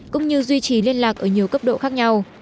cũng như duy trì liên lạc ở nhiều cấp độ khác nhau